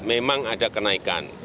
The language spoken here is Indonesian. memang ada kenaikan